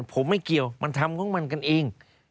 ผมไม่เกี่ยวมันทำของมันกันเอง